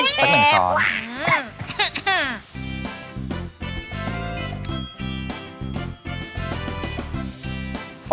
แชบวะ